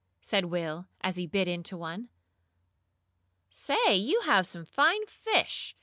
said Will, as he bit into one. "Say, you have some fine fish!"